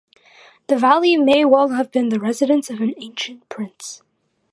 The valley may well have been the residence of an ancient prince.